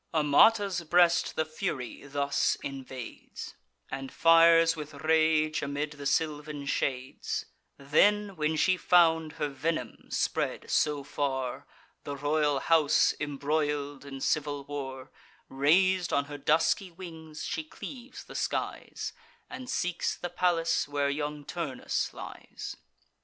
Amata's breast the Fury thus invades, And fires with rage, amid the sylvan shades; Then, when she found her venom spread so far, The royal house embroil'd in civil war, Rais'd on her dusky wings, she cleaves the skies, And seeks the palace where young Turnus lies.